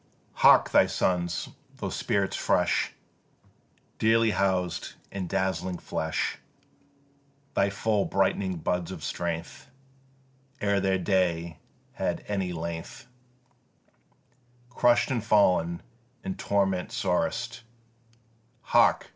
Hark! thy sons, those spirits fresh Dearly housed in dazzling flesh, Thy full brightening buds of strength, Ere their day had any length Crush'd, and fallen in torment sorest, Hark!